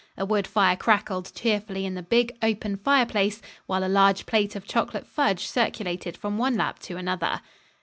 A wood fire crackled cheerfully in the big, open fireplace, while a large plate of chocolate fudge circulated from one lap to another.